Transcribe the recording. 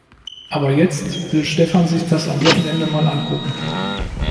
Aber jetzt will Stefan sich das am Wochenende mal angucken.